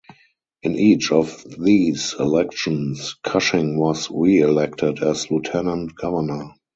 In each of these elections Cushing was reelected as lieutenant governor.